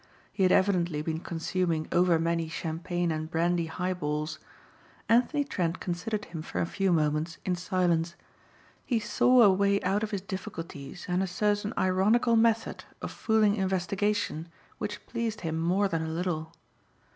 He had evidently been consuming over many champagne and brandy highballs. Anthony Trent considered him for a few moments in silence. He saw a way out of his difficulties and a certain ironical method of fooling investigation which pleased him more than a little.